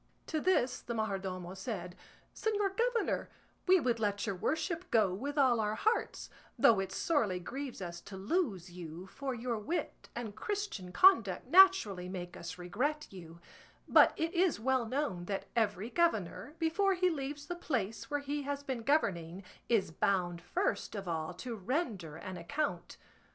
To this the majordomo said, "Señor governor, we would let your worship go with all our hearts, though it sorely grieves us to lose you, for your wit and Christian conduct naturally make us regret you; but it is well known that every governor, before he leaves the place where he has been governing, is bound first of all to render an account.